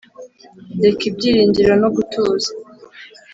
reka ibyiringiro no gutuza